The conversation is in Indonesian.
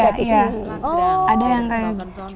ada yang kayak gitu